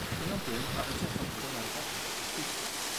Une vingtaine a réussi à s'introduire dans la salle pour protester.